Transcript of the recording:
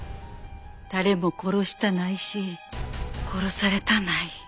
誰も殺したないし殺されたない。